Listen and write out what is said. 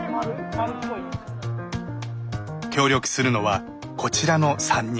協力するのはこちらの３人。